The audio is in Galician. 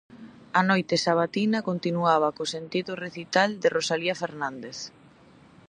A noite sabatina continuaba co sentido recital de Rosalía Fernández.